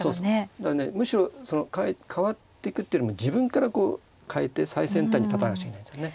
だからねむしろ変わってくっていうよりも自分からこう変えて最先端に立たなくちゃいけないんですよね。